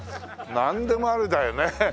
なんでもありだよね。